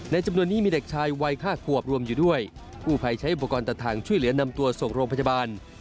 จำนวนนี้มีเด็กชายวัย๕ขวบรวมอยู่ด้วยกู้ภัยใช้อุปกรณ์ตัดทางช่วยเหลือนำตัวส่งโรงพยาบาล